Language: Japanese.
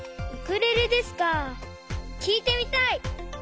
きいてみたい！